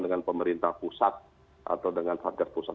dengan pemerintah pusat atau dengan satgas pusat